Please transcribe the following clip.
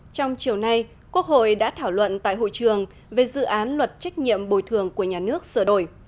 trong chiều nay quốc hội đã thảo luận tại hội trường về dự án luật trách nhiệm bồi thường của nhà nước sửa đổi